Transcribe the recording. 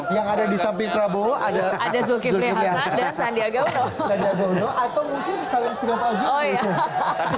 yang ada di samping prabowo ada ada zulkifli hasan dan sandiaga uno atau mungkin saling